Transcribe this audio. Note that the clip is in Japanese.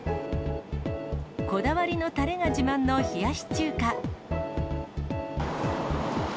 こだわりのたれが自慢の冷し中華。